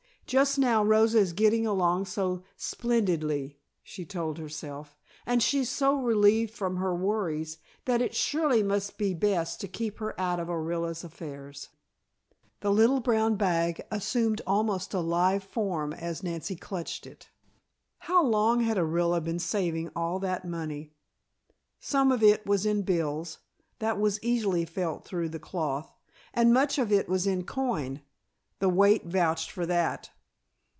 Just now Rosa is getting along so splendidly," she told herself, "and she's so relieved from her worries, that it surely must be best to keep her out of Orilla's affairs." The little brown bag assumed almost a live form as Nancy clutched it. How long had Orilla been saving all that money? Some of it was in bills that was easily felt through the cloth and much of it was in coin; the weight vouched for that.